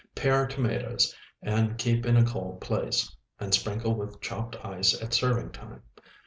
Pare tomatoes, and keep in a cold place, and sprinkle with chopped ice at serving time.